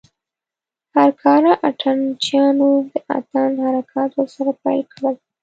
هر کاره اتڼ چيانو د اتڼ حرکات ورسره پيل کړل.